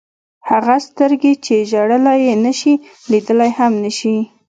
هغه سترګې چې ژړلی نه شي لیدلی هم نه شي.